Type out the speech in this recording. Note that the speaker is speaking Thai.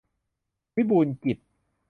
วิบูลย์กิจ